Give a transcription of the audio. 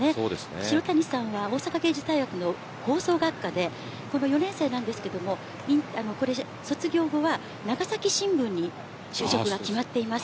城谷さんは大阪芸術大学の放送学科で４年生ですが卒業後は、長崎新聞に就職が決まっています。